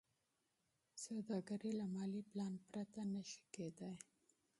سوداګري له مالي پلان پرته نشي کېدای.